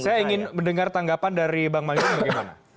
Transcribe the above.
saya ingin mendengar tanggapan dari bang malian bagaimana